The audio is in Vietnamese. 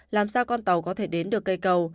làm sao con tàu có thể đến được cây cầu